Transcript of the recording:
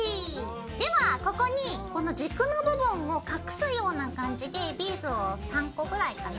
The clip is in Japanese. ではここにこの軸の部分を隠すような感じでビーズを３個ぐらいかな。